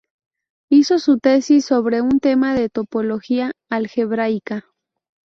Hizo su tesis sobre un tema de topología algebraica.